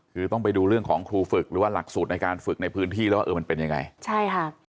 คือต้องไปดูเรื่องของครูฝึกหรือว่าหลักสูตรในการฝึกในพื้นที่แล้วว่าเออมันเป็นยังไงใช่ค่ะ